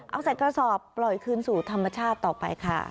เอาใส่กระสอบปล่อยคืนสู่ธรรมชาติต่อไปค่ะ